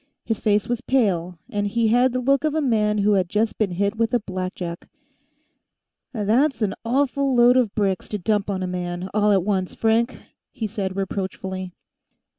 His face was pale, and he had the look of a man who has just been hit with a blackjack. "That's an awful load of bricks to dump on a man, all at once, Frank," he said reproachfully.